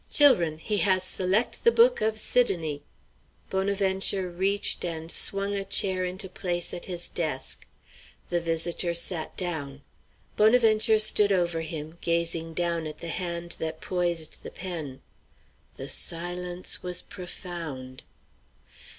"Chil'run, he has select' the book of Sidonie!" Bonaventure reached and swung a chair into place at his desk. The visitor sat down. Bonaventure stood over him, gazing down at the hand that poised the pen. The silence was profound.